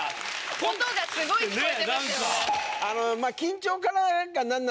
音がすごい聞こえてましたよね。